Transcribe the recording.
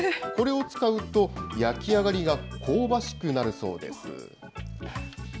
これを使うと、焼き上がりが香ばしくなるそうです。